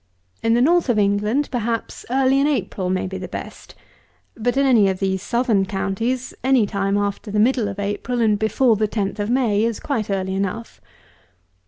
In the north of England, perhaps early in April may be best; but, in any of these southern counties, any time after the middle of April and before the 10th of May, is quite early enough.